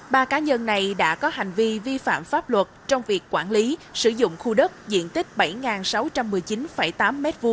ba cá nhân này đã có hành vi vi phạm pháp luật trong việc quản lý sử dụng khu đất diện tích bảy sáu trăm một mươi chín tám m hai